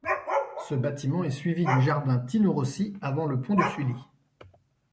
Ce bâtiment est suivi du jardin Tino-Rossi avant le pont de Sully.